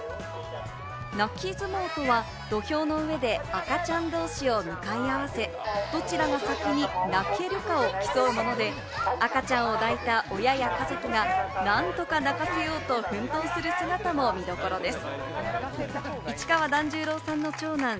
泣き相撲とは土俵の上で赤ちゃん同士を向かい合わせ、どちらが先に泣けるかを競うもので、赤ちゃんを抱いた親や家族が何とか泣かせようと奮闘する姿も見どころです。